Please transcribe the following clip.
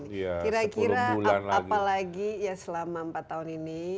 kira kira apalagi ya selama empat tahun ini